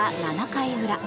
７回裏。